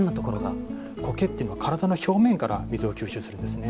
苔というのは体の表面から水を吸収するんですね。